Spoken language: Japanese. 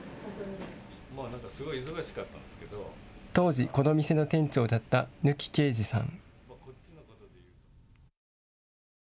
当時、この店の店長だった貫啓二さん。